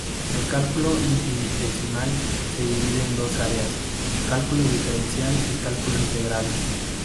El cálculo infinitesimal se divide en dos áreas: cálculo diferencial y cálculo integral.